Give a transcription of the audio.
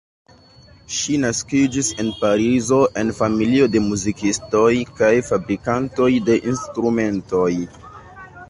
Ŝi naskiĝis en Parizo en familio de muzikistoj kaj fabrikantoj de instrumentoj.